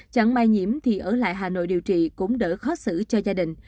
chẳng may nhiễm thì ở lại hà nội điều trị cũng đỡ khó xử cho gia đình